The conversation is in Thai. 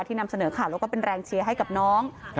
นำเสนอข่าวแล้วก็เป็นแรงเชียร์ให้กับน้อง